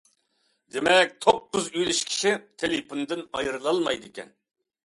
دېمەك، توققۇز ئۈلۈش كىشى تېلېفوندىن ئايرىلالمايدىكەن.